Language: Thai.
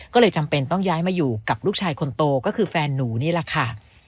ก็เลยจำเป็นต้องย้ายมาอยู่กับลูกชายคนโตก็คือแฟนหนูนี่แหละค่ะ